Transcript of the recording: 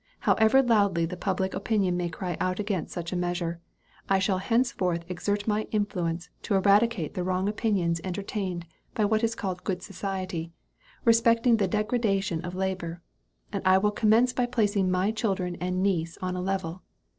However loudly the public opinion may cry out against such a measure, I shall henceforth exert my influence to eradicate the wrong opinions entertained by what is called good society, respecting the degradation of labor; and I will commence by placing my children and niece on a level.